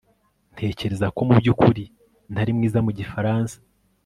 Ntekereza ko mubyukuri ntari mwiza mu gifaransa